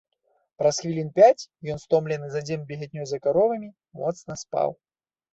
Праз хвілін пяць ён, стомлены за дзень бегатнёй за каровамі, моцна спаў.